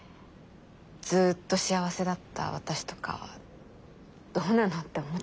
ずっと幸せだった私とかはどうなの？って思っちゃいます。